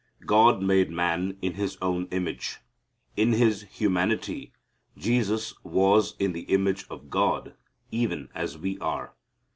God made man in His own image. In His humanity Jesus was in the image of God, even as we are.